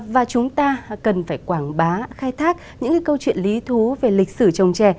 và chúng ta cần phải quảng bá khai thác những câu chuyện lý thú về lịch sử trồng trè